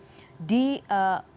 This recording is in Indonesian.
untuk menjaga kekuasaan